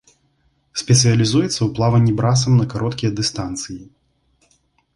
Спецыялізуецца ў плаванні брасам на кароткія дыстанцыі.